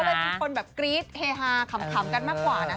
ก็เลยมีคนแบบกรี๊ดเฮฮาขำกันมากกว่านะ